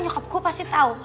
nyokap gue pasti tau